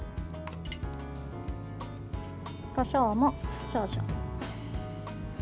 こしょうも少々。